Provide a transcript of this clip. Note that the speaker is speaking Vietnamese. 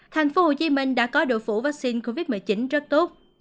tp hcm đã có độ phủ vaccine covid một mươi chín rất tốt